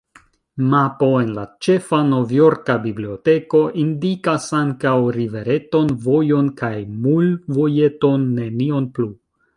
Mapo en la ĉefa novjorka biblioteko indikas ankaŭ rivereton, vojon kaj mulvojeton, nenion plu.